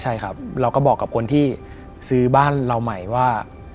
ใช่ครับเราก็บอกกับคนที่ซื้อบ้านเราใหม่ว่า